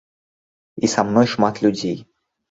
І са мной шмат людзей.